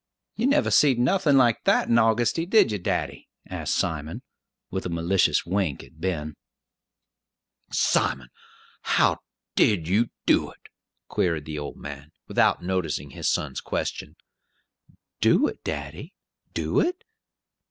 "You never seed nothin' like that in Augusty, did ye, daddy?" asked Simon, with a malicious wink at Ben. "Simon, how did you do it?" queried the old man, without noticing his son's question. "Do it, daddy? Do it?